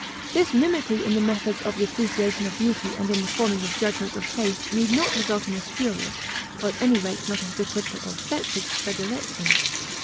This mimicry in the methods of the apperception of beauty and in the forming of judgments of taste need not result in a spurious, or at any rate not a hypocritical or affected, predilection.